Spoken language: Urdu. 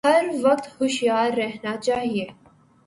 ہر وقت ہوشیار رہنا چاہیے